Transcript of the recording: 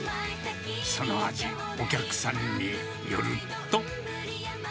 その味、お客さんによると。